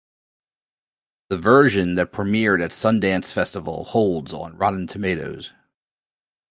The version that premiered at Sundance festival holds on Rotten Tomatoes.